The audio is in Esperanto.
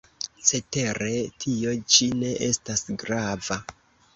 Cetere tio ĉi ne estas grava.